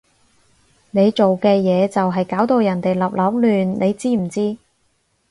你做嘅嘢就係搞到人哋立立亂，你知唔知？